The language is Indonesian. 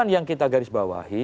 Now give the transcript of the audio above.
yang kita garis bawahi